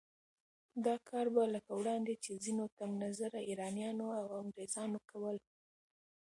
دا کار به لکه وړاندې چې ځينو تنګ نظره ایرانیانو او انګریزانو کول